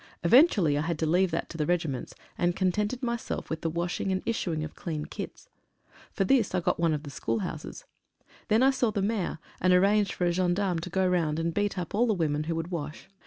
Eventually I had to leave that to the regi ments, and contented myself with the washing and issu ing of clean kits. For this I got one of the school houses. Then I saw the Maire, and arranged for a gendarme to go round and beat up all the women who would wash.